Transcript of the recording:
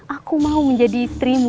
aku mau menjadi istrimu